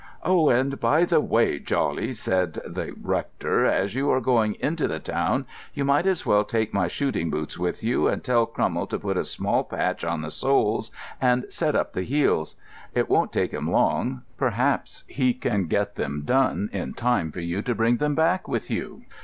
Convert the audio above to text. "Oh, and by the way, Jawley," said the rector, "as you are going into the town, you might as well take my shooting boots with you, and tell Crummell to put a small patch on the soles and set up the heels. It won't take him long. Perhaps he can get them done in time for you to bring them back with you.